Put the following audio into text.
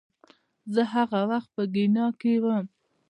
زه هغه وخت په ګیانا کې وم